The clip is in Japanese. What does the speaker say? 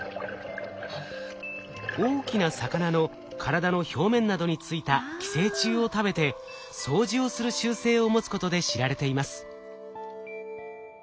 大きな魚の体の表面などについた寄生虫を食べて掃除をする習性を持つことで知られています。